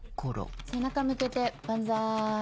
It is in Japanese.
背中向けてバンザイ。